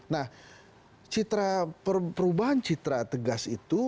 nah perubahan citra tegas itu